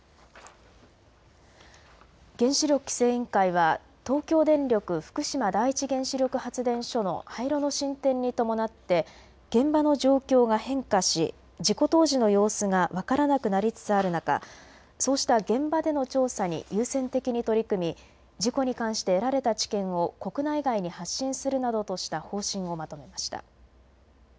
原子力規制委員会は東京電力福島第一原子力発電所の廃炉の進展に伴って現場の状況が変化し事故当時の様子が分からなくなりつつある中、そうした現場での調査に優先的に取り組み事故に関して得られた知見を国内外に発信するなどとした方針をまとめました。